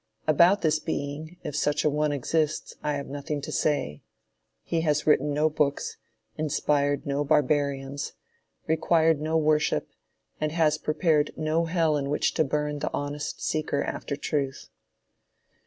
About this being, if such an one exists, I have nothing to say. He has written no books, inspired no barbarians, required no worship, and has prepared no hell in which to burn the honest seeker after truth.